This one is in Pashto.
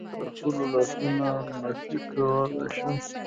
په خپلو لاسونو لمس کولای شم.